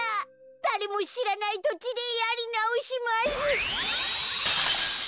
だれもしらないとちでやりなおします。